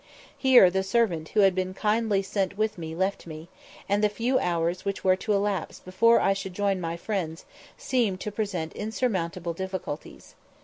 Here the servant who had been kindly sent with me left me, and the few hours which were to elapse before I should join my friends seemed to present insurmountable difficulties.